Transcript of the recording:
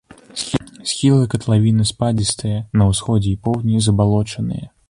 Схілы катлавіны спадзістыя, на ўсходзе і поўдні забалочаныя.